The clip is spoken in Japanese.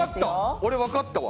俺わかったわ。